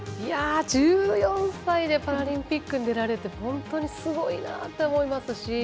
１４歳でパラリンピックに出られるって本当にすごいなって思いますし。